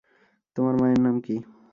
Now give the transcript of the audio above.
তোমার মায়ের নাম কী?